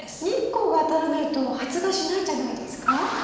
日光が当たらないと発芽しないんじゃないですか？